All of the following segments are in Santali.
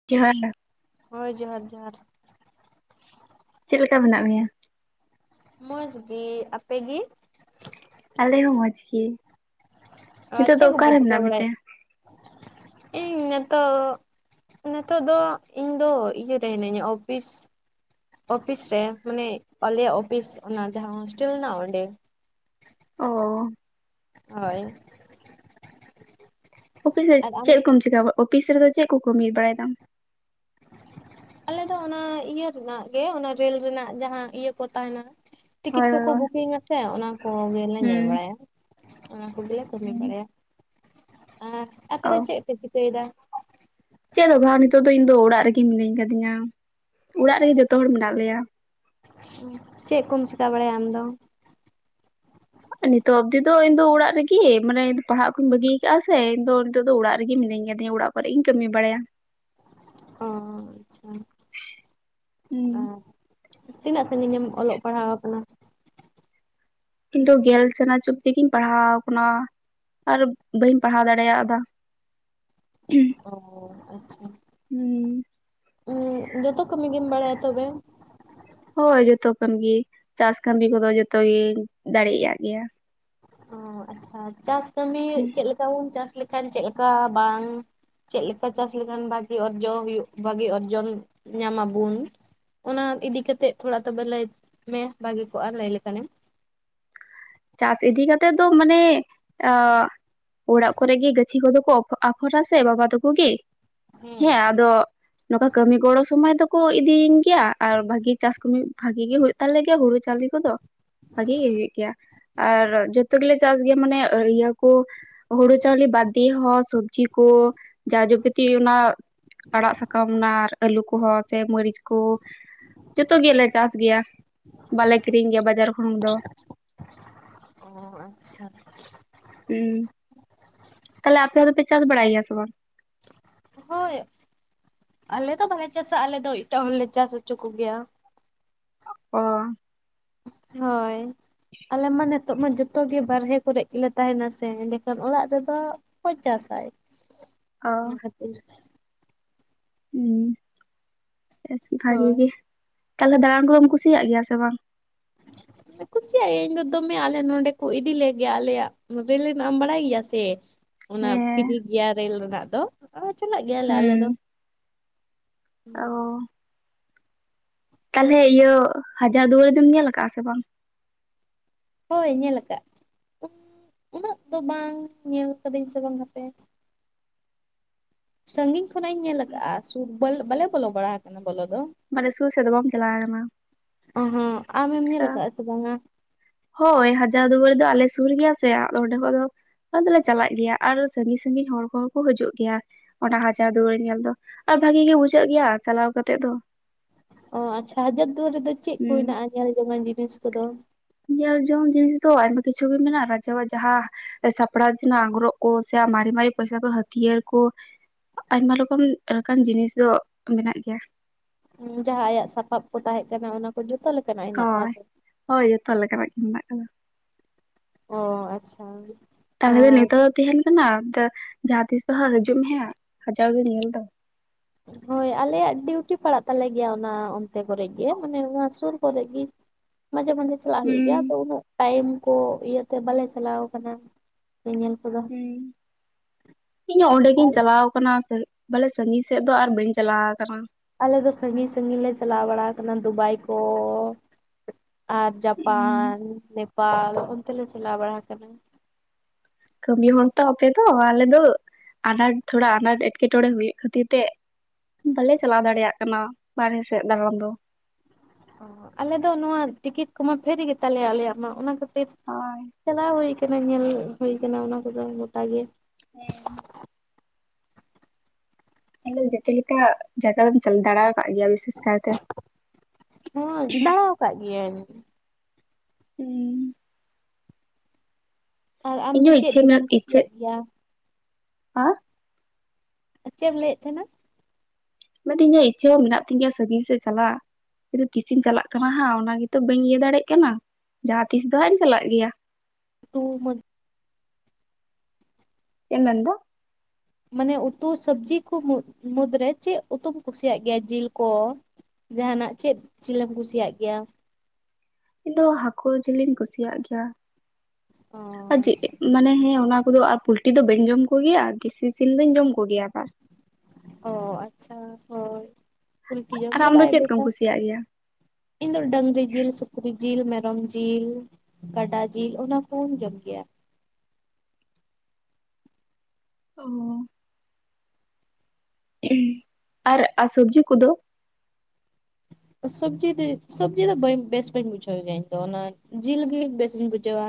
[unintelligible] ᱦᱳᱭ ᱡᱚᱦᱟᱨ ᱡᱚᱦᱟᱨ ᱪᱮᱫ ᱞᱮᱠᱟ ᱢᱮᱱᱟᱜ ᱢᱮᱭᱟ, ᱢᱚᱡᱽ ᱜᱮ ᱟᱯᱮ ᱜᱮ, ᱟᱞᱮ ᱦᱚᱸ ᱢᱚᱡᱽ ᱜᱮ ᱟᱨ ᱱᱤᱛᱚᱜ ᱫᱚ ᱪᱮᱫ ᱠᱚᱯᱮ ᱚᱠᱟᱨᱮ ᱪᱤᱠᱟᱹ ᱢᱮᱱᱟᱜ ᱢᱮᱛᱮ ᱵᱟᱲᱟᱭᱮᱫ ᱤᱧ ᱱᱤᱛᱚᱜ ᱱᱤᱛᱚᱜ ᱫᱚ ᱤᱧ ᱫᱚ ᱤᱭᱟᱹ ᱨᱮ ᱦᱤᱱᱟᱹᱧᱟ ᱚᱯᱷᱤᱥ ᱚᱯᱤᱥ ᱨᱮ ᱢᱟᱱᱮ ᱟᱞᱮᱭᱟᱜ ᱚᱯᱤᱥ ᱚᱱᱟ ᱡᱟᱦᱟᱸ ᱦᱳᱥᱴᱮᱞ ᱦᱮᱱᱟᱜ ᱚᱸᱰᱮ ᱚᱸ ᱦᱚᱭ ᱚᱯᱷᱤᱥ ᱨᱮ ᱟᱨ ᱟᱢ ᱪᱮᱫ ᱠᱚᱢ ᱪᱮᱠᱟᱹ ᱵᱟ ᱚᱯᱤᱥ ᱨᱮᱫᱚ ᱪᱮᱫ ᱠᱚ ᱠᱟᱹᱢᱤ ᱵᱟᱲᱟᱭ ᱫᱟᱢ [inaudible] ᱟᱞᱮ ᱫᱚ ᱚᱱᱟ ᱤᱭᱟᱹ ᱨᱮᱱᱟᱜ ᱜᱮ ᱚᱱᱟ ᱨᱮᱹᱞ ᱨᱮᱱᱟᱜ ᱡᱟᱦᱟᱸ ᱤᱭᱟᱹ ᱠᱚ ᱛᱟᱦᱮᱸᱱᱟ ᱴᱤᱠᱤᱴ ᱦᱳᱭ ᱠᱚᱠᱚ ᱦᱳᱭ ᱵᱩᱠᱤᱝ-ᱟ ᱥᱮ ᱚᱱᱟ ᱠᱚ ᱜᱮᱞᱮ ᱧᱮᱞ ᱦᱩᱸ ᱵᱟᱲᱟᱭᱟ, ᱚᱱᱟ ᱠᱚᱜᱮᱞᱮ ᱠᱟᱹᱢᱤ ᱵᱟᱲᱟᱭᱟ ᱟᱨ ᱟᱯᱮ ᱚ ᱫᱚ ᱪᱮᱫ ᱯᱮ ᱪᱤᱠᱟᱹᱭ ᱫᱟ ᱪᱮᱫ ᱦᱚ ᱵᱟᱝ ᱱᱤᱛᱚᱜ ᱫᱚ ᱤᱧ ᱫᱚ ᱚᱲᱟᱜ ᱨᱮᱜᱮ ᱢᱤᱱᱟᱹᱧ ᱠᱟᱹᱫᱤᱧᱟ ᱚᱲᱟᱜ ᱨᱮᱜᱮ ᱡᱚᱛᱚ ᱦᱚᱲ ᱢᱮᱱᱟᱜ ᱞᱮᱭᱟ, ᱚᱸ ᱪᱮᱫ ᱠᱚᱢ ᱪᱤᱠᱟ ᱵᱟᱲᱟᱭᱟ ᱟᱢ ᱫᱚ ᱱᱤᱛᱚᱜ ᱚᱵᱫᱤ ᱫᱚ ᱤᱧ ᱫᱚ ᱚᱲᱟᱜ ᱨᱮᱜᱮ ᱢᱟᱱᱮ ᱯᱟᱲᱦᱟᱜ ᱠᱚᱧ ᱵᱟᱹᱜᱤ ᱠᱟᱜᱼᱟ ᱥᱮ ᱤᱧ ᱫᱚ ᱱᱤᱛᱚᱜ ᱫᱚ ᱚᱲᱟᱜ ᱨᱮᱜᱮ ᱢᱤᱱᱟᱹᱧ ᱠᱟᱹᱫᱤᱧᱟ ᱚᱲᱟᱜ ᱠᱚᱨᱮ ᱤᱧ ᱠᱟᱹᱢᱤ ᱵᱟᱲᱟᱭᱟ ᱚᱸ ᱟᱪᱪᱷᱟ ᱦᱩᱸ ᱚᱸ ᱛᱤᱱᱟᱹᱜ ᱥᱟᱺᱜᱤᱧ ᱮᱢ ᱚᱞᱚᱜ ᱯᱟᱲᱦᱟᱣ ᱟᱠᱟᱱᱟ᱾ ᱤᱧ ᱫᱚ ᱜᱮᱞ ᱪᱟᱱᱟᱪ ᱚᱵᱫᱤᱜᱤᱧ ᱯᱟᱲᱦᱟᱣ ᱟᱠᱟᱱᱟ ᱟᱨ ᱵᱟᱹᱧ ᱯᱟᱲᱦᱟᱣ ᱫᱟᱲᱮᱭᱟᱫ-ᱟ ᱚᱸ ᱟᱪᱪᱷᱟ ᱦᱩᱸ ᱩᱸ ᱡᱚᱛᱚ ᱠᱟᱹᱢᱤ ᱜᱮᱢ ᱵᱟᱲᱟᱭᱟ ᱛᱚᱵᱮ ᱦᱳᱭ ᱡᱚᱛᱚ ᱠᱟᱹᱢᱤ ᱜᱮ ᱪᱟᱥ ᱠᱟᱹᱢᱤ ᱠᱚᱫᱚ ᱡᱚᱛᱚᱜᱤᱧ ᱫᱟᱲᱮᱭᱟᱜ ᱜᱮᱭᱟ, ᱚᱸ ᱟᱪᱪᱷᱟ ᱪᱟᱥ ᱠᱟᱹᱢᱤ ᱪᱮᱞᱠᱟ ᱵᱩᱱ ᱪᱟᱥ ᱞᱮᱠᱷᱟᱱ ᱪᱮᱞᱠᱟ ᱵᱟᱝ ᱪᱮᱜ ᱞᱮᱠᱟ ᱪᱟᱥ ᱞᱮᱠᱷᱟᱱ ᱵᱷᱟᱜᱤ ᱚᱨᱡᱚ ᱵᱷᱟᱹᱜᱤ ᱚᱨᱡᱚᱱ ᱧᱟᱢ ᱟᱵᱩᱱ ᱚᱱᱟ ᱤᱫᱤ ᱠᱟᱛᱮᱫ ᱛᱷᱚᱲᱟ ᱛᱚᱵᱮ ᱞᱟᱹᱭ ᱢᱮ ᱵᱷᱟᱜᱤ ᱠᱚᱜᱼᱟ ᱞᱟᱹᱭ ᱞᱮᱠᱷᱟᱱᱮᱢ, ᱪᱟᱥ ᱤᱫᱤ ᱠᱟᱛᱮᱜ ᱫᱚ ᱢᱟᱱᱮ ᱟ ᱚᱲᱟᱜ ᱠᱚᱨᱮᱜᱤ ᱜᱟ ᱪᱷᱤ ᱠᱚᱫᱚ ᱠᱚ ᱟᱯᱷᱚᱨᱟ ᱥᱮ ᱵᱟᱵᱟ ᱛᱟᱠᱚ ᱜᱮ ᱦᱮᱸ ᱟᱫᱚ ᱱᱚᱝᱠᱟ ᱠᱟᱹᱢᱤ ᱜᱚᱲᱚ ᱥᱚᱢᱚᱭ ᱫᱚᱠᱚ ᱤᱫᱤᱭᱤᱧ ᱜᱤᱭᱟ ᱟᱨ ᱵᱷᱟᱜᱤ ᱪᱟᱥ ᱠᱟᱹᱢᱤ ᱵᱷᱟᱜᱤ ᱜᱮ ᱦᱩᱭ ᱛᱟᱞᱮᱜᱮ ᱦᱩᱲᱩ ᱪᱟᱣᱞᱮ ᱠᱚᱫᱚ ᱵᱷᱟᱜᱮ ᱜᱮ ᱦᱩᱭᱩᱜ ᱜᱮᱭᱟ ᱟᱨ ᱡᱚᱛᱚ ᱜᱮᱞᱮ ᱪᱟᱥ ᱜᱮᱭᱟ ᱢᱟᱱᱮ ᱤᱨᱭᱟᱹᱠᱚ, ᱦᱳᱲᱳ ᱪᱟᱣᱞᱤ ᱵᱟᱫᱽ ᱫᱤᱭᱟ ᱦᱚᱸ ᱥᱚᱵᱽᱡᱤ ᱠᱚ, ᱡᱟ ᱡᱚᱯᱟᱹᱛᱤ ᱚᱱᱟ ᱟᱲᱟᱜ ᱥᱟᱠᱟᱢ ᱚᱱᱟ ᱟᱨ ᱟᱹᱞᱩ ᱠᱚᱦᱚᱸ ᱥᱮ ᱢᱟᱹᱨᱤᱪ ᱠᱚ ᱡᱚᱛᱚ ᱜᱮᱞᱮ ᱪᱟᱥ ᱜᱮᱭᱟ ᱵᱟᱞᱮ ᱠᱤᱨᱤᱧ ᱜᱮᱭᱟ ᱵᱟᱡᱟᱨ ᱠᱷᱚᱱ ᱫᱚ- ᱚ ᱟᱪᱪᱷᱟ ᱟᱪᱪᱷᱟ ᱦᱩᱸ ᱛᱟᱦᱞᱮ ᱟᱯᱮ ᱫᱚᱯᱮ ᱪᱟᱥ ᱵᱲᱟᱭᱟ ᱥᱮ ᱵᱟᱝ, ᱦᱳᱭ ᱟᱞᱮ ᱫᱚ ᱵᱟᱞᱮ ᱪᱟᱥᱟ ᱟᱞᱮ ᱫᱚ ᱮᱴᱟᱜ ᱦᱚᱲᱞᱮ ᱪᱟᱥ ᱦᱚᱪᱚ ᱠᱚᱜᱮᱭᱟ, ᱚ ᱦᱚᱭ ᱟᱞᱮ ᱢᱟ ᱱᱤᱛᱚᱜ ᱢᱟ ᱡᱚᱛᱚ ᱜᱮ ᱵᱟᱦᱨᱮ ᱠᱚᱨᱮᱜ ᱜᱮᱞᱮ ᱛᱟᱦᱮᱸᱱᱟ ᱥᱮ ᱮᱸᱰᱮᱠᱷᱟᱱ ᱚᱲᱟᱜ ᱨᱮᱫᱚ᱾ ᱚᱠᱚᱭ ᱪᱟᱥᱟᱭ ᱚ ᱚᱱᱟ ᱠᱷᱟᱹᱛᱤᱨ, ᱦᱩᱸ ᱵᱷᱟᱜᱮ ᱦᱳᱭ ᱜᱮ ᱛᱟᱦᱞᱮ ᱫᱟᱬᱟᱱ ᱠᱚᱫᱚᱢ ᱠᱩᱥᱤᱭᱟᱜ ᱜᱮᱭᱟ ᱥᱮ ᱵᱟᱝ, ᱤᱧ ᱫᱚ ᱠᱩᱥᱤᱭᱟᱜ-ᱤᱧ ᱤᱧ ᱫᱚ ᱫᱚᱢᱮ ᱟᱞᱮ ᱱᱚᱸᱰᱮ ᱠᱚ ᱤᱫᱤ ᱞᱮ ᱜᱮᱭᱟ ᱟᱞᱮᱭᱟᱜ ᱨᱮᱞ ᱨᱮᱭᱟᱜ ᱮᱢ ᱵᱟᱲᱟᱭ ᱜᱮᱭᱟ ᱥᱮ, ᱚᱱᱟ ᱯᱷᱤᱨᱤ ᱦᱮᱸ ᱜᱮᱭᱟ ᱨᱮᱹᱞ ᱨᱮᱱᱟᱜ ᱫᱚ ᱪᱟᱞᱟᱜ ᱜᱮᱭᱟᱞᱮ ᱟᱞᱮ ᱫᱚ ᱟᱣᱳ ᱛᱟᱦᱚᱞᱮ ᱤᱭᱟᱹ ᱦᱟᱡᱟᱨ ᱫᱩᱣᱟᱹᱨᱤᱢ ᱧᱮᱞ ᱠᱟᱜ-ᱟ ᱥᱮ ᱵᱟᱝ, ᱦᱳᱭ ᱧᱮᱞ ᱟᱠᱟᱫ, ᱩᱱᱟᱹᱜ ᱫᱚ ᱵᱟᱝ ᱧᱮᱞ ᱠᱟᱫᱤᱧ ᱥᱮ ᱵᱟᱝ ᱦᱟᱯᱮ, ᱥᱟᱺᱜᱤᱧ ᱠᱷᱚᱱᱟᱜ ᱤᱧ ᱧᱮᱞ ᱟᱠᱟᱫᱼᱟ ᱥᱩᱨ ᱵᱟᱞᱮ ᱵᱚᱞᱚ ᱵᱟᱲᱟ ᱟᱠᱟᱱᱟ ᱵᱚᱞᱚ ᱫᱚ, ᱢᱟᱱᱮ ᱥᱩᱨ ᱥᱮᱫ ᱫᱚ ᱵᱟᱢ ᱪᱟᱞᱟᱣ ᱠᱟᱱᱟ ᱚ-ᱦᱚᱸ ᱟᱢ ᱮᱢ ᱧᱮᱞ ᱟᱪᱪᱷᱟ ᱠᱟᱜ ᱥᱮ ᱵᱟᱝ-ᱟ? ᱦᱳᱭ ᱦᱟᱡᱟᱨ ᱫᱩᱣᱟᱹᱨᱤ ᱫᱚ ᱟᱞᱮ ᱥᱩᱨ ᱜᱮᱭᱟ ᱥᱮ ᱟᱫᱚ ᱚᱸᱰᱮ ᱠᱷᱚᱱ ᱫᱚ ᱟᱞᱮ ᱫᱚᱞᱮ ᱪᱟᱞᱟᱜ ᱜᱮᱭᱟ ᱟᱨᱚ ᱥᱟᱺᱜᱤᱧ ᱥᱟᱺᱜᱤᱧ ᱦᱚᱲ ᱠᱚᱦᱚᱸ ᱠᱚ ᱦᱤᱡᱩᱜ ᱜᱮᱭᱟ᱾ ᱚᱱᱟ ᱦᱟᱡᱟᱨ ᱫᱩᱣᱟᱹᱨ ᱧᱮᱞ ᱫᱚ ᱟᱨ ᱵᱷᱟᱜᱤ ᱜᱮ ᱵᱩᱡᱷᱟᱹᱜ ᱜᱮᱭᱟ ᱪᱟᱞᱟᱣ ᱠᱟᱛᱮ ᱫᱚ ᱚ ᱟᱪᱪᱷᱟ ᱦᱟᱡᱟᱨ ᱫᱩᱣᱟᱹᱨ ᱨᱮᱫᱚ ᱪᱮᱫ ᱠᱚ ᱦᱩᱸ ᱦᱮᱱᱟᱜᱼᱟ ᱧᱮᱞ ᱡᱚᱝᱟᱱ ᱡᱤᱱᱤᱥ ᱠᱚᱫᱚ‍? ᱧᱮᱞ ᱡᱚᱝ ᱡᱤᱱᱤᱥ ᱫᱚ ᱟᱭᱢᱟ ᱠᱤᱪᱷᱩ ᱜᱮ ᱢᱮᱱᱟᱜᱼᱟ ᱨᱟᱡᱟᱣᱟᱜ ᱡᱟᱦᱟᱸᱼᱼ ᱥᱟᱯᱲᱟᱣ ᱛᱮᱱᱟᱜ ᱜᱽᱚᱨᱚᱵ ᱠᱚ ᱥᱮ ᱢᱟᱨᱤ ᱢᱟᱨᱤ ᱯᱚᱭᱥᱟ ᱠᱚ ᱦᱟᱹᱛᱭᱟᱹᱨ ᱠᱚ ᱟᱭᱢᱟ ᱨᱚᱠᱚᱢ ᱞᱮᱠᱟᱱ ᱡᱤᱱᱤᱥ ᱫᱚ ᱢᱮᱱᱟᱜ ᱜᱮᱭᱟ᱾ ᱡᱟᱦᱟᱸ ᱟᱭᱟᱜ ᱥᱟᱯᱟᱵ ᱠᱚ ᱛᱟᱦᱮᱸ ᱠᱟᱱᱟ ᱚᱱᱟ ᱠᱚ ᱡᱚᱛᱚ ᱞᱮᱠᱟᱱᱟᱜ ᱦᱮᱱᱟᱜᱼᱟ ᱦᱳᱭ [unintelligible] ᱦᱳᱭ ᱡᱚᱛᱚ ᱞᱮᱠᱟᱱᱟᱜ ᱜᱮ ᱢᱮᱱᱟᱜ ᱟᱠᱟᱫᱟ᱾ ᱚ ᱟᱪᱪᱷᱟ ᱛᱟᱦᱚᱞᱮ ᱫᱚ ᱟᱨ ᱱᱤᱛᱚᱜ ᱫᱚ ᱛᱟᱸᱦᱮᱱ ᱠᱟᱱᱟ ᱡᱟ ᱡᱟᱦᱟᱸ ᱛᱤᱥᱫᱚ ᱦᱟᱸᱜ ᱦᱤᱡᱩᱜ ᱢᱮ ᱦᱟᱸᱜ ᱦᱟᱡᱟᱨ ᱫᱩᱣᱟᱹᱨᱤ ᱧᱮᱞ ᱫᱚ ᱦᱳᱭ ᱟᱞᱮᱭᱟᱜ ᱰᱤᱭᱩᱴᱤ ᱯᱟᱲᱟᱜ ᱛᱟᱞᱮ ᱜᱮᱭᱟ ᱚᱱᱟ ᱚᱱᱛᱮ ᱠᱚᱨᱮ ᱜᱮ ᱢᱟᱱᱮ ᱚᱱᱟ ᱥᱩᱨ ᱠᱚᱨᱮ ᱜᱤ ᱢᱟᱡᱷᱮ ᱢᱟᱡᱷᱮ ᱪᱟᱞᱟᱜ ᱦᱩᱭᱩᱜ ᱜᱮᱭᱟ ᱦᱩᱸ ᱛᱚ ᱩᱱᱟᱹᱜ ᱴᱟᱭᱤᱢ ᱠᱚ ᱤᱭᱟᱹᱛᱮ ᱵᱟᱞᱮ ᱪᱟᱞᱟᱣ ᱟᱠᱟᱱᱟ ᱧᱮᱧᱮᱞ᱾ ᱠᱚᱫᱚ ᱦᱩᱸ ᱤᱧ ᱚᱸᱰᱮ ᱜᱤᱧ ᱟᱨ ᱪᱟᱞᱟᱣ ᱟᱠᱟᱱᱟ ᱥᱮ ᱵᱟᱞᱮ ᱥᱟᱺᱜᱤᱧ ᱥᱮᱫ ᱫᱚ ᱟᱨ ᱵᱟᱹᱧ ᱪᱟᱞᱟᱣ ᱟᱠᱟᱱᱟ᱾ ᱟᱞᱮ ᱫᱚ ᱥᱟᱺᱜᱤᱧ ᱥᱟᱺᱜᱤᱧ ᱞᱮ ᱪᱟᱞᱟᱣ ᱵᱟᱲᱟ ᱟᱠᱟᱱᱟ ᱫᱩᱵᱟᱭ ᱠᱚ, ᱟᱨ ᱡᱟᱯᱟᱱ ᱱᱮᱯᱟᱞ ᱚᱱᱛᱮ ᱞᱮ ᱪᱟᱞᱟᱣ ᱵᱟᱲᱟ ᱟᱠᱟᱱᱟ᱾ ᱠᱟᱹᱢᱤ ᱦᱚᱲ ᱛᱚ ᱟᱯᱮ ᱫᱚ ᱟᱞᱮ ᱫᱚ ᱟᱱᱟᱴ ᱛᱷᱚᱲᱟ ᱟᱱᱟᱴ ᱮᱴᱸᱠᱮ ᱴᱚᱸᱬᱮ ᱦᱩᱭᱩᱜ ᱠᱷᱟᱹᱛᱤᱨ ᱛᱮ ᱵᱟᱞᱮ ᱪᱟᱞᱟᱣ ᱫᱟᱲᱮᱭᱟᱜ ᱠᱟᱱᱟ ᱵᱟᱨᱦᱮ ᱥᱮᱫ ᱫᱟᱲᱟᱱ ᱫᱚ ᱟᱞᱮ ᱫᱚ ᱱᱚᱣᱟ ᱴᱤᱠᱤᱴ ᱠᱚᱢᱟ ᱯᱷᱨᱤ ᱜᱮ ᱛᱟᱞᱮᱭᱟ ᱟᱞᱮᱭᱟᱜ ᱢᱟ ᱚᱱᱟ ᱠᱷᱟᱹᱛᱤᱨ ᱦᱳᱭ ᱪᱟᱞᱟᱣ ᱦᱩᱭ ᱟᱠᱟᱱᱟ ᱧᱮᱞ ᱦᱩᱭ ᱟᱠᱟᱱᱟ ᱚᱱᱟ ᱠᱚᱫᱚ ᱜᱚᱴᱟ ᱜᱮ᱾ ᱦᱮᱸ [unintelligible] ᱡᱚᱛ ᱞᱮᱠᱟ ᱡᱟᱭᱜᱟ ᱨᱮᱢ ᱪᱟ ᱫᱟᱲᱮ ᱟᱠᱟᱫ ᱜᱮᱭᱟ ᱵᱮᱥ ᱦᱚᱸ ᱫᱟᱬᱟᱣᱠᱫ ᱜᱤᱭᱟᱹᱧ ᱦᱩ ᱟᱨ ᱤᱧ ᱟᱢᱫᱚ ᱦᱚᱸ ᱪᱮᱫ ᱤᱪᱪᱷᱟᱹ ᱫᱚᱢᱮᱢ ᱢᱮᱱᱟᱜ ᱤᱪᱪᱷᱟᱹ ᱠᱩᱥᱤᱭᱟᱜ ᱜᱮᱭᱟ? ᱟ ᱪᱮᱫ ᱮᱢ ᱞᱟᱹᱭᱮᱫ ᱛᱟᱦᱮᱱᱟ? ᱢᱮᱫᱴᱝ ᱤᱧᱟᱹᱜ ᱤᱪᱪᱷᱟᱹ ᱦᱚᱸ ᱢᱮᱱᱟᱜ ᱛᱤᱧ ᱜᱮᱭᱟ ᱥᱟᱺᱟᱹᱜᱤᱧ ᱥᱮᱫ ᱪᱟᱞᱟᱜ ᱛᱤᱥᱤᱧ ᱪᱟᱞᱟᱜ ᱠᱟᱱᱟ ᱦᱟᱸᱜ ᱚᱱᱟ ᱜᱮᱛᱚ ᱵᱟᱹᱧ ᱞᱟᱹᱭ ᱫᱟᱲᱮᱭᱟᱜ ᱠᱟᱱᱟ ᱡᱟᱦᱟᱸ ᱛᱤᱥ ᱫᱚ ᱦᱟᱸᱜ ᱤᱧ ᱪᱟᱞᱟᱜ ᱜᱮᱭᱟ [unintelligible] [unintelligible] ᱢᱟᱱᱮ ᱩᱛᱩ ᱥᱚᱵᱡᱤ ᱠᱚ ᱢᱩᱫ ᱢᱩᱫᱽᱨᱮ ᱪᱮᱫ ᱩᱛᱩᱢ ᱠᱩᱥᱤᱭᱟᱜ ᱜᱮᱭᱟ ᱡᱤᱞ ᱠᱚᱼᱼ ᱡᱟᱦᱟᱱᱟᱜ ᱪᱮᱫ ᱡᱤᱞᱮ ᱮᱢ ᱠᱩᱥᱤᱭᱟᱜ ᱜᱮᱭᱟ? ᱤᱧ ᱫᱚ ᱦᱟᱹᱠᱩ ᱡᱤᱞ ᱤᱧ ᱠᱩᱥᱤᱭᱟᱜ ᱜᱮᱭᱟ ᱚ ᱟᱨ ᱡ ᱟᱪᱪᱷᱟ ᱢᱟᱱᱮ ᱦᱮᱸ ᱚᱱᱟ ᱠᱚᱫᱚ ᱟᱨ ᱯᱩᱞᱴᱤ ᱫᱚ ᱵᱟᱹᱧ ᱡᱚᱢ ᱠᱚᱜᱮᱭᱟ ᱫᱮᱥᱤ ᱥᱤᱢ ᱫᱚᱧ ᱡᱚᱢ ᱠᱚᱜᱮᱭᱟ ᱟᱵᱟᱨ ᱚ ᱟᱪᱪᱷᱟ ᱦᱳᱭ ᱯᱩᱞᱴᱤ ᱡᱚᱢ ᱟᱨ ᱫᱚ ᱟᱢ ᱵᱟᱭ ᱪᱮᱫ ᱠᱚᱢ ᱵᱮᱥᱟ᱾ ᱠᱩᱥᱤᱭᱟᱜ ᱜᱮᱭᱟ ᱤᱧ ᱫᱚ ᱰᱟᱹᱝᱨᱤ ᱡᱤᱞ ᱥᱩᱠᱨᱤ ᱡᱤᱞ ᱢᱮᱨᱚᱢ ᱡᱤᱞᱼ ᱠᱟᱰᱟ ᱡᱤᱞ ᱚᱱᱟ ᱠᱚᱧ ᱡᱚᱢᱜᱮᱭᱟ᱾ ᱚ ᱟᱨ ᱥᱚᱵᱡᱤ ᱠᱚᱫᱚ? ᱥᱚᱵᱡᱤ ᱫᱤ ᱥᱚᱵᱡᱤ ᱫᱚ ᱵᱟᱧ ᱵᱮᱥ ᱵᱟᱹᱧ ᱵᱩᱡᱷᱟᱹᱣ ᱜᱮᱭᱟ ᱤᱧ ᱫᱚ ᱚᱱᱟ ᱡᱤᱞ ᱜᱮ ᱵᱮᱥᱤᱧ ᱵᱩᱡᱷᱟᱹᱣᱟ᱾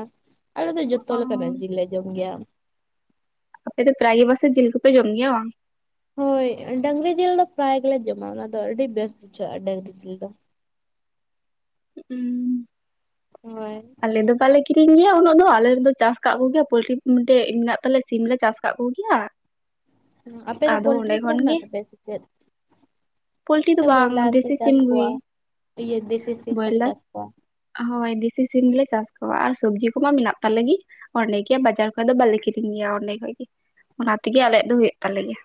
ᱟᱞᱮ ᱫᱚ ᱚ ᱡᱚᱛᱚ ᱞᱮᱠᱟᱱᱟᱜ ᱡᱮᱞ ᱞᱮ ᱡᱚᱢ ᱜᱮᱭᱟ᱾ ᱮᱛᱮ ᱯᱨᱟᱭ ᱜᱮ ᱵᱟᱥᱮ ᱡᱤᱞ ᱠᱚᱯᱮ ᱡᱚᱢ ᱜᱮᱭᱟᱼᱟ ᱦᱳᱭ ᱰᱟᱹᱝᱨᱤ ᱡᱤᱞ ᱫᱚ ᱯᱨᱟᱭ ᱜᱮᱞᱮ ᱡᱚᱢᱟ ᱚᱱᱟᱫᱚ ᱟᱹᱰᱤ ᱵᱮᱥ ᱵᱩᱡᱷᱟᱹᱜᱼᱟ ᱰᱟᱹᱝᱨᱤ ᱡᱤᱞ ᱫᱚ᱾ [unintelligible] ᱦᱳᱭ ᱟᱞᱮ ᱫᱚ ᱵᱟᱞᱮ ᱠᱤᱨᱤᱧ ᱜᱮᱭᱟ ᱩᱱᱟᱹᱜ ᱫᱚ ᱟᱞᱮᱨᱮᱱ ᱫᱚ ᱪᱟᱥ ᱟᱠᱟᱫ ᱠᱚᱜᱮᱭᱟ ᱯᱳᱚᱞᱴᱨᱤ ᱢᱤᱫᱴᱮᱡ ᱢᱮᱱᱟᱜ ᱛᱟᱞᱮ ᱥᱤᱢᱞᱮ ᱪᱟᱥ ᱟᱠᱟᱫ ᱠᱚᱜᱮᱭᱟ᱾ ᱟᱯᱮ ᱫᱚ ᱟᱫᱚ ᱯᱚᱞᱴᱨᱤ ᱚᱸᱰᱮ ᱯᱷᱨᱟᱢ ᱠᱷᱚᱱ ᱢᱮᱱᱟᱜ ᱜᱮ ᱛᱟᱯᱮᱭᱟ ᱥᱮᱪᱮᱫ? ᱯᱳᱞᱴᱤ ᱫᱚ ᱥᱮ ᱵᱟᱝ ᱵᱚᱭᱞᱟ ᱨᱮ ᱯᱮ ᱫᱮᱥᱤ ᱪᱟᱥ ᱥᱤᱢ ᱜᱮ ᱠᱚᱣᱟ ᱤᱭᱟᱹ ᱫᱮᱥᱤ ᱥᱤᱢ ᱯᱮ ᱵᱚᱭᱞᱟᱨ ᱪᱟᱥ ᱠᱚᱣᱟ ᱦᱳᱭ ᱫᱮᱥᱤ ᱥᱤᱢ ᱜᱤ ᱞᱮ ᱪᱟᱥ ᱠᱚᱣᱟ ᱟᱨ ᱥᱚᱵᱽᱡᱤ ᱠᱚᱢᱟ ᱢᱮᱱᱟᱜ ᱛᱟᱞᱮ ᱜᱤ ᱚᱸᱰᱮ ᱜᱮ ᱵᱟᱡᱟᱨ ᱠᱷᱚᱡ ᱫᱚ ᱵᱟᱞᱮ ᱠᱤᱨᱤᱧ ᱜᱮᱭᱟ ᱚᱸᱰᱮ ᱠᱷᱚᱡ ᱜᱤ ᱚᱱᱟᱛᱮᱜᱤ ᱟᱞᱮᱭᱟᱜ ᱫᱚ ᱦᱩᱭᱩᱜ ᱛᱟᱞᱮ ᱜᱮ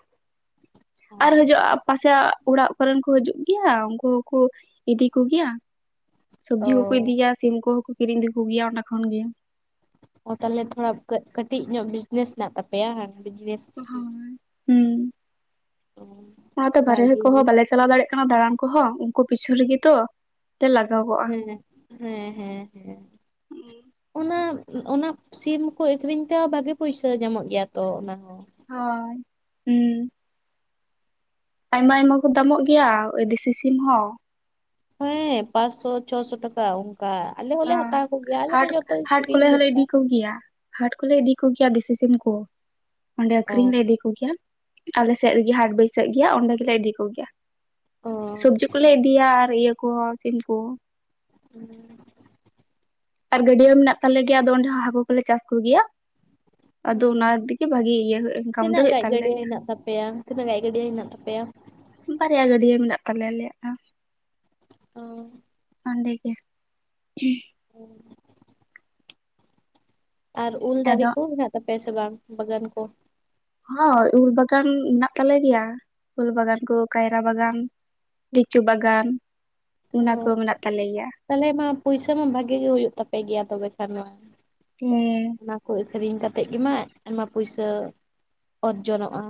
ᱚ ᱟᱨ ᱦᱤᱡᱩᱜᱼᱟ ᱟᱪᱪᱷᱟ ᱯᱟᱥ ᱪᱟᱜ ᱚᱲᱟᱜ ᱠᱚᱨᱮᱱ ᱠᱚ ᱦᱤᱡᱩᱜ ᱜᱮᱭᱟ ᱩᱱᱠᱩ ᱦᱚᱸᱠᱚ ᱤᱫᱤ ᱠᱚᱜᱮᱭᱟ᱾ ᱚ ᱥᱚᱵᱽᱡᱤ ᱦᱚᱸᱠᱚ ᱤᱫᱤᱭᱟ ᱥᱤᱢ ᱠᱚᱦᱚᱸᱠᱚ ᱠᱤᱨᱤᱧ ᱤᱫᱤ ᱠᱚ ᱜᱤᱭᱟ ᱚᱸᱰᱮ ᱠᱷᱚᱱ ᱜᱮ ᱚ ᱛᱟᱦᱚᱞᱮ ᱛᱷᱚᱲᱟ ᱠᱟᱹᱴᱤᱡ ᱧᱚᱜ ᱵᱤᱡᱽᱱᱮᱥ ᱦᱮᱱᱟᱜᱱᱟᱜ ᱛᱟᱯᱮᱭᱟ ᱵᱤᱡᱽᱱᱮᱥ ᱦᱩᱸ ᱦᱩᱸ ᱚ ᱱᱟᱚ ᱛᱮ ᱵᱟᱨᱦᱮ ᱵᱷᱟᱜᱤ ᱜᱮ ᱠᱚᱦᱚᱸ ᱵᱞᱮ ᱪᱟᱞᱟᱣ ᱫᱟᱲᱮᱭᱟᱜ ᱠᱟᱱᱟ ᱫᱟᱬᱟᱱ ᱠᱚᱦᱚᱸ ᱩᱱᱠᱩ ᱯᱤᱪᱷᱟᱹ ᱨᱮᱜᱤ ᱛᱚ ᱛᱮ ᱞᱟᱜᱟᱜᱚᱜ ᱦᱮᱸ ᱦᱮᱸ ᱦᱮᱸ ᱦᱮᱸ ᱚᱱᱟ ᱚᱱᱟ ᱥᱤᱢ ᱠᱚ ᱟᱠᱷᱨᱤᱧ ᱛᱮᱦᱚᱸ ᱵᱷᱟᱜᱤ ᱯᱚᱭᱥᱟᱹ ᱧᱟᱢᱚᱜ ᱜᱮᱭᱟ ᱛᱚ ᱚᱱᱟ ᱦᱚᱸ ᱦᱳᱭ ᱦᱩᱸ ᱟᱭᱢᱟ ᱟᱭᱢᱟ ᱠᱚ ᱫᱟᱢᱚᱜ ᱜᱮᱭᱟ ᱚᱭ ᱫᱮᱥᱤ ᱥᱤᱢ ᱦᱚᱸ ᱦᱮᱸ ᱯᱟᱸᱪᱥᱚ ᱪᱷᱚᱥᱚ ᱴᱟᱠᱟ ᱚᱱ ᱚᱱᱠᱟ ᱟᱞᱮ ᱦᱚᱸᱞᱮ ᱦᱟᱛᱟᱣ ᱠᱚᱜᱮᱭᱟ ᱟᱞᱮ ᱢᱟ ᱡᱚᱛᱚ ᱜᱤ ᱠᱤᱨᱤᱧ ᱵᱷᱚᱨᱥᱟ ᱠᱚᱜᱤᱭᱟ ᱦᱟᱴ ᱠᱚᱞᱮ ᱤᱫᱤ ᱠᱚᱜᱤᱭᱟ ᱫᱮᱥᱤ ᱥᱤᱢ ᱠᱚ ᱚᱸᱰᱮ ᱚ ᱟᱹᱷᱨᱤᱧ ᱞᱮ ᱤᱫᱤ ᱠᱚᱜᱤᱭᱟ᱾ ᱟᱞᱮᱥᱮᱫ ᱨᱤᱜᱤ ᱦᱟᱴ ᱵᱟᱹᱭᱥᱟᱹᱜ ᱜᱮᱭᱟ ᱚᱸᱰᱮ ᱜᱮᱞᱮ ᱤᱫᱤ ᱠᱚᱜᱮᱭᱟ᱾ ᱚ ᱥᱚᱵᱽᱡᱤ ᱟᱪᱪᱷᱟ ᱠᱚᱞᱮ ᱤᱫᱤᱭᱟ ᱟᱨ ᱤᱭᱟᱹ ᱠᱚ ᱥᱤᱢ ᱠᱚ [inaudible] ᱟᱨ ᱜᱟᱹᱰᱭᱟᱹ ᱢᱮᱱᱟᱜ ᱛᱟᱞᱮ ᱜᱮᱭᱟ ᱟᱫᱚ ᱚᱸᱰᱮ ᱦᱟᱜ ᱦᱟᱹᱠᱩ ᱠᱚᱞᱮ ᱪᱟᱥ ᱠᱚᱜᱭᱟ᱾ [inaudible] ᱦᱮᱸ ᱤᱭᱟᱹ ᱤᱱᱠᱟᱢ ᱫᱚ ᱛᱤᱱᱟᱹᱜ ᱦᱩᱭᱩᱜ ᱜᱟᱡ ᱛᱟᱞᱮ ᱜᱟᱹᱰᱭᱟᱹ ᱜᱮᱭᱟ ᱦᱮᱱᱟᱜ ᱛᱟᱯᱮᱭᱟ ᱛᱤᱱᱟᱹᱜ ᱜᱟᱡ ᱜᱟᱹᱰᱭᱟᱹ ᱦᱮᱱᱟᱜ ᱛᱟᱯᱮᱭᱟ᱾ ᱵᱟᱨᱭᱟ ᱜᱟᱹᱰᱭᱟᱹ ᱢᱮᱱᱟᱜ ᱛᱟᱞᱮᱭᱟ ᱟᱞᱮᱭᱟᱜ ᱫᱚ ᱚ ᱚᱸᱰᱮ ᱜᱮ ᱦᱮᱸ [unintelligible] ᱟᱨ ᱩᱞ ᱫᱟᱨᱮ ᱟᱫᱚ ᱠᱚ ᱢᱮᱱᱟᱜ ᱛᱟᱯᱮᱭᱟ ᱥᱮ ᱵᱟᱝ ᱵᱟᱜᱟᱱ ᱠᱚ ᱦᱚᱸ ᱩᱞ ᱵᱟᱜᱟᱱ ᱢᱮᱱᱟᱜ ᱛᱟᱞᱮ ᱜᱮᱭᱟ ᱩᱞ ᱵᱟᱜᱟᱱ ᱠᱚ ᱠᱟᱭᱨᱟ ᱵᱟᱜᱟᱱ ᱞᱤᱪᱩ ᱵᱟᱜᱟᱱ ᱚᱱᱟ ᱠᱚ ᱢᱮᱱᱟᱜ ᱛᱟᱞᱮ ᱜᱮᱭᱟ᱾ ᱛᱟᱦᱚᱞᱮ ᱢᱟ ᱯᱩᱭᱥᱟᱹ ᱢᱟ ᱵᱷᱟᱜᱤ ᱜᱤ ᱦᱩᱭᱩᱜ ᱛᱟᱯᱮ ᱜᱮᱭᱟ ᱛᱚᱵᱮ ᱠᱷᱟᱱ ᱢᱟ ᱦᱩᱸ ᱚᱱᱟ ᱠᱚ ᱟᱹᱠᱷᱨᱤᱧ ᱠᱟᱛᱮᱫ ᱜᱮᱢᱟ ᱟᱭᱢᱟ ᱯᱩᱭᱥᱟᱹ ᱚᱨᱡᱚᱱᱚᱜᱼᱟ᱾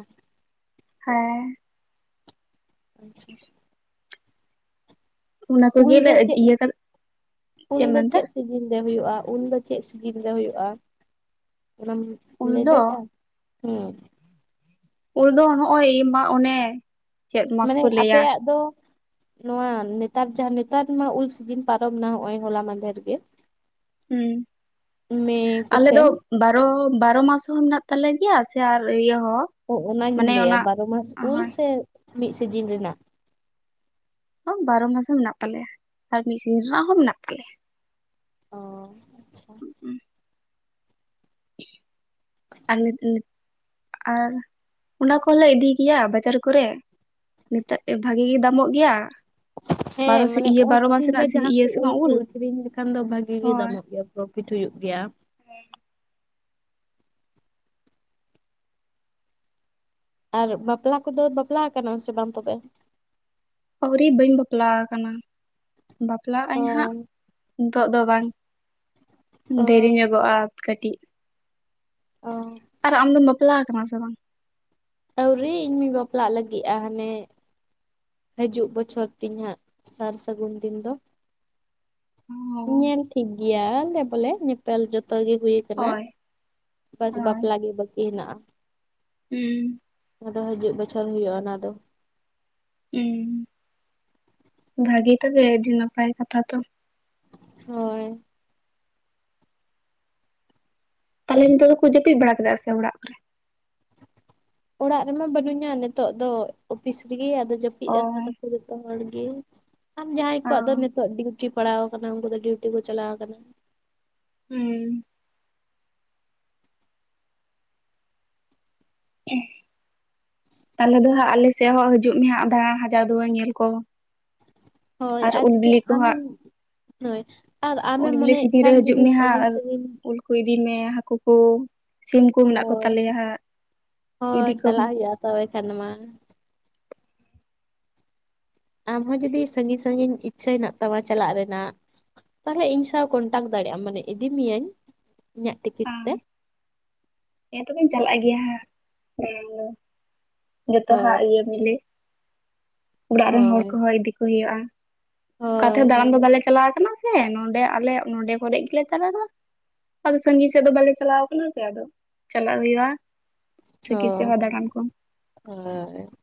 ᱦᱮᱸ ᱟᱪᱪᱷᱟ ᱚᱱᱟ ᱩᱞ ᱠᱚᱜᱮᱞᱮ ᱫᱚ ᱪᱮᱫ ᱤᱭᱟᱹ ᱠᱟᱛᱮ ᱩᱞ ᱮᱢ ᱫᱚ ᱢᱮᱱᱫᱟ ᱪᱮᱫ ᱥᱤᱡ ᱥᱤᱡᱤᱱ ᱨᱮ ᱦᱩᱭᱩᱜᱼᱟ ᱩᱱᱫᱚ ᱪᱮᱫ ᱥᱤᱡᱤᱱ ᱜᱮ ᱦᱩᱭᱩᱜᱼᱟ ᱚᱱᱟᱢ ᱩᱞ ᱞᱟᱹᱭ ᱫᱚ ᱫᱟᱲᱮᱜᱼᱟ ᱦᱩᱸ ᱩᱱ ᱫᱚ ᱱᱚᱜᱼᱚᱭ ᱢᱟ ᱚᱱᱮ ᱪᱮᱫ ᱢᱟᱥ ᱢᱟᱱᱮ ᱠᱚ ᱞᱟᱹᱭᱟ ᱟᱯᱮᱭᱟᱜ ᱫᱚ ᱱᱚᱣᱟ ᱱᱮᱛᱟᱨ ᱡᱟᱦᱟᱸ ᱱᱮᱛᱟᱨ ᱢᱟ ᱩᱞ ᱥᱤᱡᱤᱱ ᱯᱟᱨᱚᱢ ᱱᱟ ᱱᱚᱜ ᱼᱚᱭ ᱦᱚᱞᱟ ᱢᱟᱱᱫᱷᱮᱨ ᱜᱮ ᱦᱩᱸ ᱢᱮ ᱟᱞᱮ ᱫᱚ ᱠᱚᱥᱮᱱ ᱵᱟᱨᱚ ᱵᱟᱨᱚ ᱢᱟᱥ ᱦᱚᱸ ᱢᱮᱱᱟᱜ ᱛᱟᱞᱮ ᱜᱮᱭᱟ ᱥᱮ ᱟᱨ ᱤᱭᱟᱹ ᱦᱚᱸ ᱚᱱᱟᱜᱤᱧ ᱢᱟᱱᱮ ᱞᱟᱹᱭᱟ ᱚᱱᱟ ᱵᱟᱨᱚ ᱢᱟᱥ ᱩᱞ ᱦᱳᱭ ᱥᱮ ᱢᱤᱫ ᱥᱤᱡᱤᱱ ᱨᱮᱱᱟᱜ ᱵᱟᱝ ᱵᱟᱨᱚ ᱢᱟᱥ ᱦᱚᱸ ᱢᱮᱱᱟᱜ ᱛᱟᱞᱮᱭᱟ ᱟᱨ ᱢᱤᱫ ᱥᱤᱡᱤᱱ ᱨᱮᱱᱟᱜ ᱦᱚᱸ ᱢᱮᱱᱟᱜ ᱛᱟᱞᱮᱭᱟ᱾ ᱚ ᱟᱪᱪᱷᱟ ᱟᱨ ᱱᱤᱛ ᱱᱤᱛ ᱟᱨ ᱚᱱᱟ ᱠᱚᱦᱚᱸᱞᱮ ᱤᱫᱤ ᱜᱮᱭᱟ ᱵᱟᱡᱟᱨ ᱠᱚᱨᱮ ᱢᱮᱛᱟᱹᱜ ᱯᱮ ᱵᱷᱟᱜᱮ ᱜᱤ ᱫᱟᱢᱚᱜ ᱜᱮᱭᱟ᱾ ᱵᱟᱨᱚ ᱦᱮᱸ ᱥᱮ ᱢᱟᱱᱮ ᱤᱭᱟᱹ ᱵᱟᱨᱚ ᱚᱥᱤᱡᱤᱱ ᱢᱟᱥᱮᱱᱟᱜ ᱨᱮ ᱡᱟᱦᱟᱸ ᱤᱭᱟᱹ ᱠᱚ ᱥᱮ ᱩᱞ ᱵᱟᱝ ᱠᱩ ᱟᱹᱠᱷᱨᱤᱧ ᱞᱮᱠᱷᱟᱱ ᱫᱚ ᱵᱷᱟᱜᱤ ᱜᱤ ᱦᱳᱭ ᱫᱟᱢᱚᱜ ᱜᱮᱭᱟ᱾ ᱯᱚᱨᱚᱯᱷᱤᱴ ᱦᱩᱭᱩᱜ ᱜᱮᱭᱟ᱾ ᱟᱨ, ᱵᱟᱯᱞᱟ ᱠᱚᱫᱚ ᱵᱟᱯᱞᱟ ᱟᱠᱟᱱᱟᱢ ᱥᱮ ᱵᱟᱝ ᱛᱚᱵᱮ? ᱟᱹᱣᱨᱤ ᱵᱟᱹᱧ ᱵᱟᱯᱞᱟ ᱟᱠᱟᱱᱟ, ᱵᱟᱯᱞᱟᱜ ᱚ ᱟᱹᱧ ᱦᱟᱸᱜ ᱾ ᱱᱤᱛᱚᱜ ᱫᱚ ᱵᱟᱝ, ᱚ ᱫᱮᱨᱤ ᱧᱚᱜᱚᱜᱼᱟ ᱠᱟᱹᱴᱤᱡ ᱚ ᱾ ᱟᱨ, ᱟᱢ ᱫᱚᱢ ᱵᱟᱯᱞᱟ ᱟᱠᱟᱱᱟ ᱥᱮ ᱵᱟᱝ? ᱟᱹᱣᱨᱤ, ᱤᱧ ᱢᱟ. ᱧ ᱵᱟᱯᱞᱟᱜ ᱞᱟᱹᱜᱤᱫᱼᱟ, ᱦᱟᱱᱮ ᱦᱤᱡᱩᱜ ᱵᱚᱪᱷᱚᱨ ᱛᱤᱧ ᱦᱟᱜ, ᱥᱟᱨ ᱥᱟᱹᱜᱩᱱ ᱫᱤᱱ ᱫᱚ ᱾ ᱚ ᱧᱮᱞ ᱴᱷᱤᱠᱜᱮᱭᱟ ᱞᱮ ᱵᱚᱞᱮ, ᱧᱮᱯᱮᱞ ᱡᱚᱛᱚ ᱜᱮ ᱦᱩᱭ ᱟᱠᱟᱱᱟ ᱦᱳᱭ ᱾ ᱵᱟᱥ ᱵᱟᱯᱞᱟ ᱜᱮ ᱵᱟᱠᱤ ᱦᱮᱱᱟᱜᱼᱟ ᱾ ᱦᱩᱸᱻ, ᱟᱫᱚ ᱦᱤᱡᱩᱜ ᱵᱚᱪᱷᱚᱨ ᱦᱩᱭᱩᱜᱼᱟ, ᱚᱱᱟ ᱫᱚ ᱾ ᱤᱝ, ᱵᱷᱟᱜᱤ ᱛᱚᱵᱮ ᱟᱹᱰᱤ ᱱᱟᱯᱟᱭ ᱠᱟᱛᱷᱟ ᱛᱚ ᱾ ᱦᱳᱭ ᱾ ᱛᱟᱦᱚᱞᱮ, ᱱᱤᱛᱚᱜ ᱫᱚᱠᱚ ᱡᱟᱹᱯᱤᱫ ᱵᱟᱲᱟ ᱠᱮᱫᱟ, ᱥᱮ ᱚᱲᱟᱜ ᱠᱚᱨᱮ ᱾ ᱚᱲᱟᱜ ᱨᱮᱢᱟ ᱵᱟᱹᱱᱩᱜ ᱧᱟ, ᱱᱤᱛᱚᱜ ᱫᱚ ᱚᱯᱷᱤᱥ ᱨᱮᱜᱮ, ᱟᱫᱚ ᱡᱟᱹᱯᱤᱫ ᱚ ᱟᱠᱟᱫᱟ ᱠᱚ ᱾ ᱡᱚᱛᱚ ᱦᱚᱲ ᱜᱮ, ᱟᱨ ᱡᱟᱦᱟᱸᱭ ᱚ ᱠᱚᱣᱟᱜ ᱫᱚ ᱱᱤᱛᱚᱜ ᱰᱤᱣᱴᱤ ᱯᱟᱲᱟᱣ ᱟᱠᱟᱱᱟ, ᱩᱱᱠᱩ ᱫᱚ ᱰᱤᱣᱴᱤ ᱠᱚ ᱪᱟᱞᱟᱣ ᱟᱠᱟᱱᱟ ᱾ ᱦᱩᱸᱻ, ᱮᱸᱦ, ᱛᱟᱦᱚᱞᱮ ᱫᱚ ᱦᱟᱸᱜ, ᱟᱞᱮᱥᱮᱫ ᱦᱚᱸ ᱦᱤᱡᱩᱜ ᱢᱮ ᱦᱟᱸᱜ, ᱫᱟᱬᱟ ᱦᱟᱡᱟᱣ ᱫᱩᱣᱟᱹᱨ ᱧᱮᱞ ᱠᱚ ᱾ ᱦᱳᱭ, ᱟᱨ ᱪᱮᱜ ᱦᱟᱸᱜ ᱟᱢᱮᱢ, ᱦᱳᱭ ᱾ ᱟᱨ, ᱩᱞ ᱟᱢᱮᱢ ᱢᱚᱱᱮᱭᱮᱫ ᱠᱷᱟᱱ ᱡᱩᱫᱤ ᱥᱟᱺᱜᱤᱧ ᱥᱟᱺᱜᱤᱧ ᱠᱩ ᱤᱫᱤ ᱢᱮᱭᱟ ᱦᱟᱹᱠᱩ ᱠᱚ, ᱥᱤᱢ ᱠᱚ ᱢᱮᱱᱟᱜ, ᱦᱳᱭ ᱠᱚᱛᱟᱞᱮᱭᱟ ᱦᱳᱭ ᱤᱫᱤ ᱠᱚᱢ ᱪᱟᱞᱟᱜ ᱾ ᱦᱩᱭᱩᱜᱼᱟ ᱛᱚᱵᱮ ᱠᱷᱟᱱ ᱢᱟ ᱾ ᱟᱢᱦᱚᱸ ᱡᱩᱫᱤ, ᱥᱟᱺᱜᱤᱧ ᱥᱟᱺᱜᱤᱧ ᱤᱪᱪᱷᱟᱹ ᱦᱮᱱᱟᱜ ᱛᱟᱢᱟ ᱪᱟᱞᱟᱜ ᱨᱮᱱᱟᱜ, ᱛᱟᱦᱞᱮ ᱤᱧ ᱥᱟᱶ ᱠᱚᱱᱴᱟᱠᱴᱴ ᱫᱟᱲᱮᱭᱟᱜ ᱟᱢ, ᱢᱟᱱᱮ ᱤᱫᱤ ᱢᱤᱭᱟᱹᱧ ᱤᱧᱟᱹᱜ ᱴᱤᱠᱤᱴ ᱛᱮ ᱾ ᱮ ᱛᱚᱵᱮᱧ ᱪᱟᱞᱟᱜ ᱜᱮᱭᱟ ᱦᱟᱸᱦ ᱾ ᱦᱳᱭ ᱡᱚᱛᱚᱣᱟᱜ ᱤᱭᱟᱹ ᱢᱤᱞᱮ, ᱚᱲᱟᱜ ᱨᱮᱱ ᱦᱚᱲ ᱦᱳᱭ ᱠᱚᱦᱚᱸ ᱤᱫᱤ ᱠᱚ ᱦᱩᱭᱩᱜᱼᱟ ᱾ ᱚᱠᱟ ᱦᱳᱭ ᱛᱮᱦᱚᱸ ᱫᱟᱬᱟᱱ ᱦᱳᱭ ᱫᱚ ᱵᱟᱞᱮ ᱪᱟᱞᱟᱣ ᱟᱠᱟᱱᱟ ᱥᱮ, ᱱᱚᱰᱮ ᱟᱞᱮ ᱱᱚᱰᱮ ᱠᱚᱨᱮ ᱜᱮᱞᱮ ᱪᱟᱞᱟᱣᱼᱟ ᱾ ᱟᱫᱚ ᱥᱟᱺᱜᱤᱧ ᱥᱮᱫ ᱫᱚ ᱵᱟᱞᱮ ᱪᱟᱞᱟᱣ ᱠᱟᱱᱟ ᱥᱮ, ᱟᱫᱚ ᱪᱟᱞᱟᱜ ᱦᱩᱭᱩᱜ-ᱟ ᱾ ᱦᱚ ᱦ ᱦᱚᱭ ᱾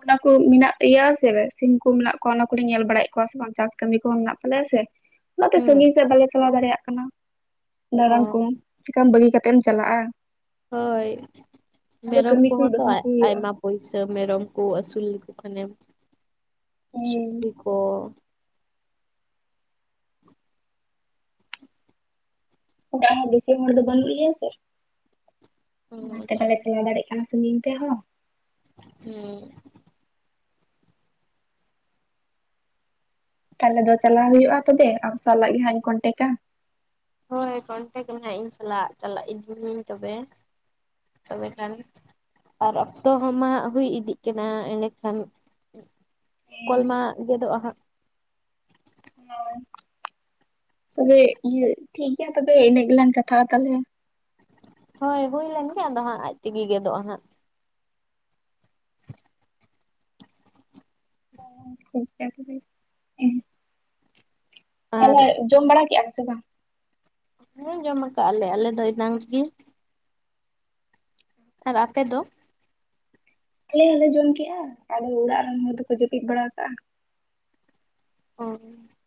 ᱚᱱᱟ ᱠᱚ ᱢᱮᱱᱟᱜ ᱛᱮᱭᱟ ᱥᱮ, ᱥᱤᱢ ᱠᱚ ᱢᱮᱱᱟᱜ ᱠᱚᱣᱟ, ᱚᱱᱟ ᱠᱚᱨᱮᱧ ᱧᱮᱞ ᱵᱟᱲᱟᱭᱮᱫ ᱠᱚᱣᱟ ᱥᱮ ᱵᱟᱝ? ᱪᱟᱥ ᱠᱟᱹᱢᱤ ᱠᱚᱦᱚᱸ ᱢᱮᱱᱟᱜ ᱛᱟᱞᱮᱭᱟ ᱥᱮ ᱾ ᱚᱱᱟᱛᱮ ᱦᱩᱸ ᱥᱟᱺᱜᱤᱧ ᱥᱮᱫ, ᱵᱟᱞᱮ ᱪᱟᱞᱟᱣ ᱫᱟᱲᱮᱭᱟᱜ ᱠᱟᱱᱟ ᱚ ᱫᱟᱲᱟᱱ ᱠᱚ, ᱪᱮᱠᱟᱢ ᱵᱟᱹᱜᱤ ᱠᱟᱛᱮᱜ ᱮᱢ ᱪᱟᱞᱟᱜ-ᱟ ᱾ ᱦᱳᱭ, ᱢᱮᱨᱚᱢ ᱠᱟᱹᱢᱤ ᱠᱚ ᱠᱚᱦᱚᱸ ᱛᱚ ᱫᱚᱦᱚ ᱟᱡ ᱠᱚ ᱦᱩᱭᱩᱜᱼᱟ ᱟᱭᱢᱟ ᱯᱩᱭᱥᱟᱹ, ᱢᱮᱨᱚᱢ ᱠᱚ ᱟᱹᱥᱩᱞ ᱞᱮᱠᱚ ᱠᱷᱟᱱᱮᱢ ᱾ ᱦᱩᱸ ᱥᱩᱠᱨᱤ ᱠᱚ ᱚᱲᱟᱜ ᱦᱚᱸ ᱵᱮᱥᱤ ᱦᱚᱲ ᱫᱚ ᱵᱟᱹᱱᱩᱜ ᱞᱮᱭᱟ ᱥᱮ, ᱚᱸ ᱚᱱᱟᱛᱮ ᱟᱪᱪᱷᱟ ᱵᱟᱞᱮ ᱪᱟᱞᱟᱣ ᱫᱟᱲᱮᱜ ᱠᱟᱱᱟ ᱾ ᱥᱟᱺᱜᱤᱧ ᱯᱮᱦᱚᱸ ᱦᱩᱸ [unintelligible] ᱛᱟᱦᱚᱞᱮ ᱫᱚ ᱪᱟᱞᱟᱣ ᱦᱩᱭᱩᱜ-ᱟ ᱛᱚᱵᱮ, ᱟᱢ ᱥᱟᱞᱟᱜ ᱜᱮ ᱦᱟᱸᱜ ᱤᱧ ᱠᱚᱱᱴᱮᱠᱟ ᱾ ᱦᱳᱭ ᱠᱚᱱᱴᱮᱠ ᱱᱟᱦᱟᱸᱜ ᱤᱧ ᱥᱟᱞᱟᱜ, ᱪᱟᱞᱟᱜ ᱤᱫᱤᱹᱢᱤᱭ. ᱧ ᱛᱚᱵᱮ, ᱛᱚᱵᱮ ᱠᱷᱟᱱ ᱾ ᱟᱨ, ᱚᱠᱛᱚ ᱦᱚᱸᱢᱟ ᱦᱩᱭ ᱤᱫᱤᱜ ᱠᱟᱱᱟ ᱮᱸᱰᱮᱠᱷᱟᱱ ᱦᱮᱸ ᱠᱚᱞ ᱢᱟ ᱜᱮᱫᱚᱜ-ᱟ ᱦᱟᱸᱜ ᱾ ᱦᱳᱭ, ᱛᱚᱵᱮ ᱤᱭᱟᱹ ᱴᱷᱤᱠ ᱜᱮᱭᱟ ᱛᱚᱵᱮ ᱤᱱᱟᱹ ᱜᱮᱞᱟᱝ ᱠᱟᱛᱷᱟ-ᱟ ᱛᱟᱦᱚᱞᱮ ᱾ ᱦᱳᱭ, ᱦᱩᱭ ᱞᱮᱱ ᱜᱮ ᱟᱫᱚ ᱦᱟᱸᱜ, ᱟᱡ ᱛᱮᱜᱮ ᱜᱮᱫᱚᱜ-ᱟ ᱦᱟᱸᱜ ᱾ ᱦᱮᱸ ᱴᱷᱤᱠ ᱜᱮᱭᱟ ᱛᱚᱵᱮ, ᱦᱮᱸ ᱾ ᱟᱨ ᱢᱟᱞᱟᱭ, ᱡᱚᱢ ᱵᱟᱲᱟ ᱠᱮᱫᱼᱟᱢ ᱥᱮ ᱵᱟᱝ? ᱦᱮᱸ ᱡᱚᱢ ᱟᱠᱟᱜ ᱞᱮ ᱟᱞᱮ ᱫᱚ ᱮᱱᱟᱝ ᱨᱮᱜᱮ ᱿ ᱟᱨ ᱟᱯᱮ ᱫᱚ? ᱟᱞᱮ ᱦᱚᱸᱞᱮ ᱡᱚᱢ ᱠᱮᱜ-ᱟ ᱾ ᱟᱫᱚ ᱚᱲᱟᱜ ᱨᱮᱱ ᱦᱚᱲ ᱫᱚᱠᱚ, ᱡᱟᱹᱯᱤᱫ ᱵᱟᱲᱟ ᱟᱠᱟᱜ-ᱟ ᱾ ᱦᱚᱭ [unintelligible]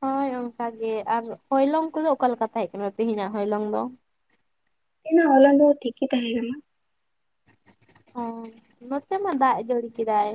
ᱦᱳᱭ ᱚᱱᱠᱟ ᱜᱮ, ᱟᱨ ᱦᱚᱭᱞᱚᱝ ᱠᱚᱫᱚ ᱚᱠᱟᱞᱮᱠᱟ? ᱛᱟᱦᱮᱸ ᱠᱟᱱᱟ ᱛᱮᱦᱮᱧᱟᱜ ᱦᱚᱭᱞᱚᱝ ᱫᱚ ᱾ ᱮᱱᱟ, ᱦᱚᱞᱟ ᱫᱚ ᱴᱷᱤᱠ ᱜᱮ ᱛᱟᱦᱮᱸ ᱠᱟᱱᱟ ᱾ ᱦᱚᱭ ᱱᱚᱛᱮ ᱢᱟ ᱫᱟᱜ ᱡᱟᱹᱲᱤ ᱠᱮᱫᱟᱭ